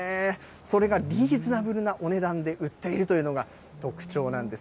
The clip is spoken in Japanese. それがリーズナブルなお値段で売っているというのが特徴なんです。